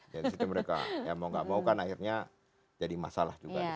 jadi mereka ya mau gak mau kan akhirnya jadi masalah juga